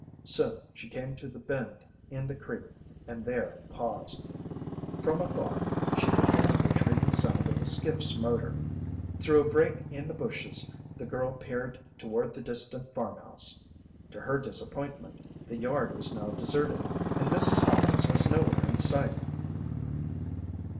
Soon she came to the bend in the creek, and there paused. From afar, she could hear the retreating sound of the skiff's motor. Through a break in the bushes, the girl peered toward the distant farmhouse. To her disappointment, the yard was now deserted, and Mrs. Hawkins was nowhere in sight.